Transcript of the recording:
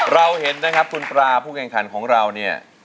เราเห็นนะครับคุณปลาผู้แข่งขันของเราเนี่ย